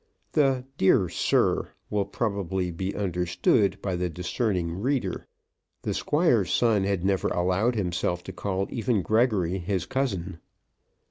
The "Dear Sir" will probably be understood by the discerning reader. The Squire's son had never allowed himself to call even Gregory his cousin.